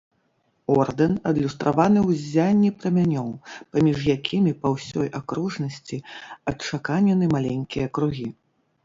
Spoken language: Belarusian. Ордэн адлюстраваны ў ззянні прамянёў, паміж якімі па ўсёй акружнасці адчаканены маленькія кругі.